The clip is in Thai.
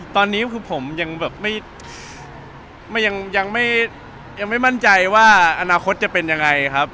ตอนนี้คือผมยังแบบยังไม่มั่นใจว่าอนาคตจะเป็นยังไงครับ